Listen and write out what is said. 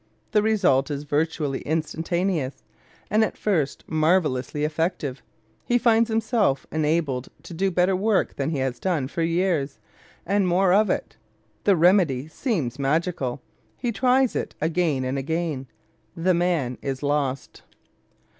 The result is virtually instantaneous and at first marvelously effective. He finds himself enabled to do better work than he has done for years, and more of it. The remedy seems magical; he tries it again and again. The man is lost.